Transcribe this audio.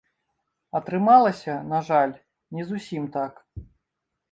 Атрымалася, на жаль, не зусім так.